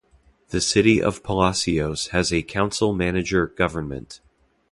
The City of Palacios has a council-manager government.